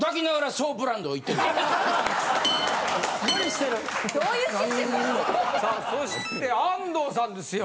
そして安藤さんですよ。